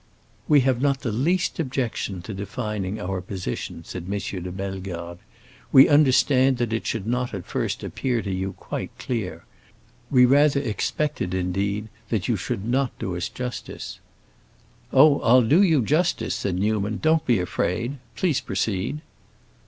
"We have not the least objection to defining our position," said M. de Bellegarde. "We understand that it should not at first appear to you quite clear. We rather expected, indeed, that you should not do us justice." "Oh, I'll do you justice," said Newman. "Don't be afraid. Please proceed."